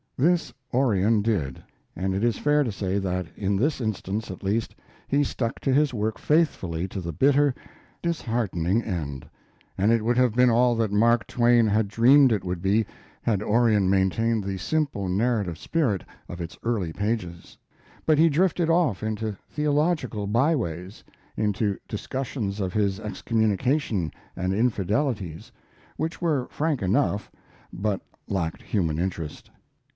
This Orion did, and it is fair to say that in this instance at least he stuck to his work faithfully to the bitter, disheartening end. And it would have been all that Mark Twain had dreamed it would be, had Orion maintained the simple narrative spirit of its early pages. But he drifted off into theological byways; into discussions of his excommunication and infidelities, which were frank enough, but lacked human interest.